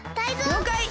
りょうかい！